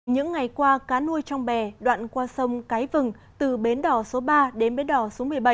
những ngày qua cá nuôi trong bè đoạn qua sông cái vừng từ bến đỏ số ba đến bến đỏ số một mươi bảy